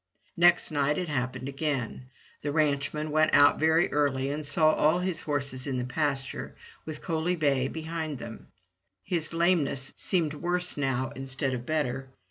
Next night it happened again. The ranchman went out very early and saw all his horses in the pasture, with Coaly bay behind them. His lameness seemed worse now instead of better.